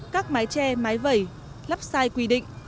các mái tre mái vẩy lắp sai quy định